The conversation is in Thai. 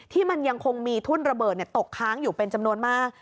ที่มันยังคงมีทุ่นระเบิดตกค้างอยู่เป็นจำนวนมาก